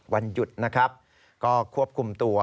วันหยุดนะครับก็ควบคุมตัว